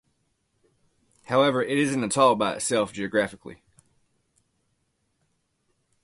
However it is an atoll by itself geographically.